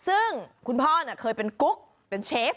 ส่วนเมนูที่ว่าคืออะไรติดตามในช่วงตลอดกิน